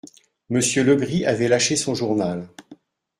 Monsieur Legris avait lâché son journal.